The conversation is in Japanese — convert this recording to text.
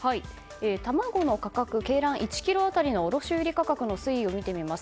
卵の価格鶏卵１ｋｇ当たりの卸売価格の推移を見てみます。